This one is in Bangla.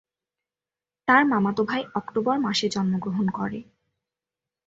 তার মামাতো ভাই অক্টোবর মাসে জন্মগ্রহণ করে।